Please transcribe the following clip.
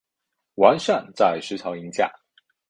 王掞在石槽迎驾。